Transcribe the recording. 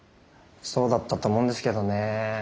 そうだったと思うんですけどね。